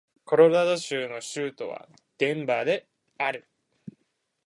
コロラド州の州都はデンバーである